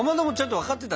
分かってた？